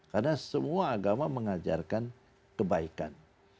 karena semua agama mengajarkan kebaikan